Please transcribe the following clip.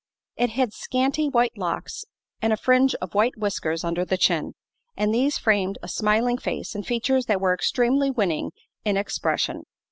It had scanty white locks and a fringe of white whiskers under the chin, and these framed a smiling face and features that were extremely winning in expression.